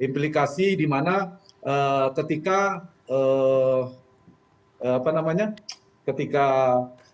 implikasi di mana ketika apa namanya ketika pada saat itu